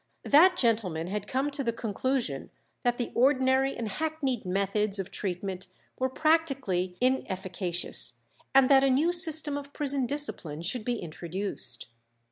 That gentleman had come to the conclusion that the ordinary and hackneyed methods of treatment were practically inefficacious, and that a new system of prison discipline should be introduced.